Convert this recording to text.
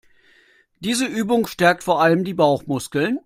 Diese Übung stärkt vor allem die Bauchmuskeln.